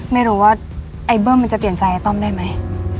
ไม่รู้ว่าไอ้เบิ้มมันจะเปลี่ยนใจไอ้ต้อมได้ไหม